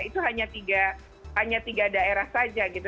itu hanya tiga daerah saja gitu